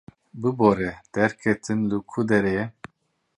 Bibore, derketin li ku derê ye?